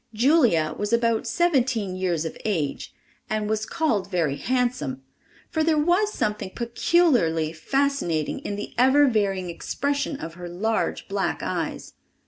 Julia was about seventeen years of age and was called very handsome, for there was something peculiarly fascinating in the ever varying expression of her large black eyes.